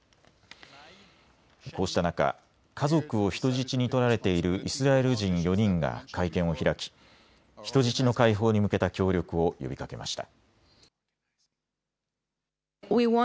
こうした中、家族を人質に取られているイスラエル人４人が会見を開き、人質の解放に向けた協力を呼びかけました。